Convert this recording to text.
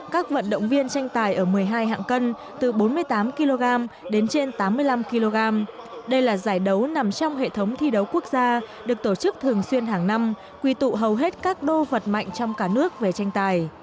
các vận động viên tranh tài ở một mươi hai hạng cân từ bốn mươi tám kg đến trên tám mươi năm kg đây là giải đấu nằm trong hệ thống thi đấu quốc gia được tổ chức thường xuyên hàng năm quy tụ hầu hết các đô vật mạnh trong cả nước về tranh tài